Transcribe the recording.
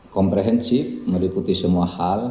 komprehensif meriputi semua hal